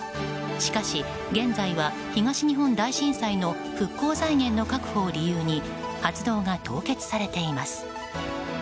しかし、現在は東日本大震災の復興財源の確保を理由に発動が凍結されています。